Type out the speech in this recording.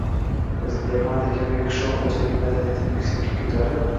Biz Niderlandiya kabi qishloq xo‘jaligi madaniyatini yuksakka ko‘tarib